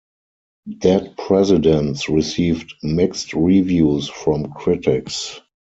"Dead Presidents" received mixed reviews from critics.